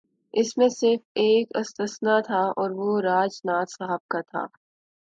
اس میں صرف ایک استثنا تھا اور وہ راج ناتھ صاحب کا تھا۔